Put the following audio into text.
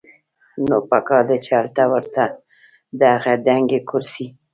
نو پکار ده چې هلته ورله د هغې دنګې کرسۍ